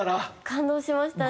感動しましたね。